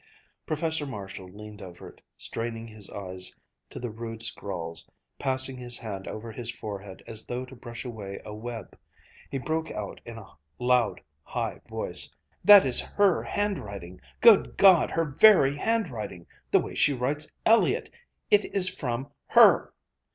Professor Marshall leaned over it, straining his eyes to the rude scrawls, passing his hand over his forehead as though to brush away a web. He broke out in a loud, high voice. "That is her handwriting.... Good God, her very handwriting the way she writes Elliott it is from _her!